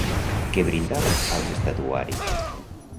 Què brindava als estatuaris?